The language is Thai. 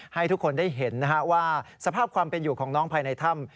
ให้ทุกคนได้เห็นว่าสภาพความเป็นอยู่ของน้องภายในถ้ำ